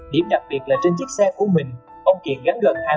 điểm đặc biệt là trên chiếc xe của mình ông kiệt gắn gần hai mươi cục nam chân